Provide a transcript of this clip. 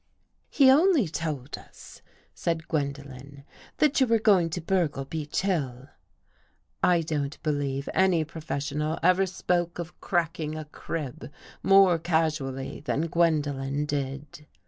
"" He only told us," said Gwendolen, " that you were going to burgle Beech Hill." I don't believe any professional ever spoke of cracking a crib more casually than Gwendolen did.